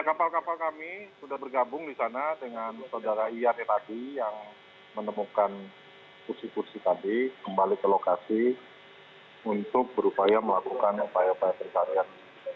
kapal kapal kami sudah bergabung di sana dengan saudara iyane tadi yang menemukan kursi kursi tadi kembali ke lokasi untuk berupaya melakukan upaya upaya pencarian